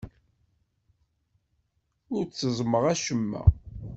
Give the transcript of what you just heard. Ur tteẓẓmeɣ acemma.